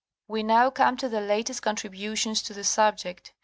We now come to the latest contributions to the subject.